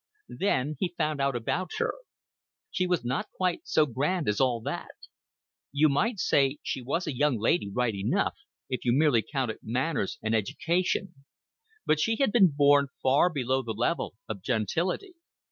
Then he found out about her. She was not quite so grand as all that. You might say she was a young lady right enough, if you merely counted manners and education; but she had been born far below the level of gentility.